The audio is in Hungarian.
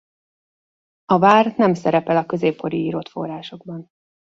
A vár nem szerepel a középkori írott forrásokban.